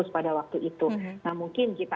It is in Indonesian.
pada waktu itu nah mungkin kita